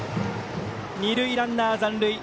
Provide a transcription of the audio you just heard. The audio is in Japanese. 二塁ランナー、残塁。